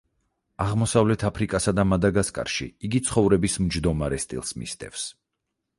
აღმოსავეთ აფრიკასა და მადაგასკარში იგი ცხოვრების მჯდომარე სტილს მისდევს.